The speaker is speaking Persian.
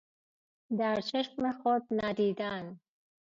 در چشم خود ندیدن